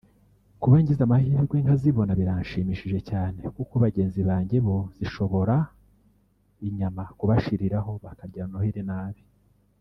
Kuba ngize amahirwe nkazibona biranshimishije cyane kuko bagenzi banjye bo zishobora (Inyama) kubashiriraho bakarya Noheli nabi